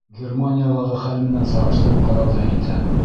Германиялағы хәл менән сағыштырып ҡарау ҙа етә.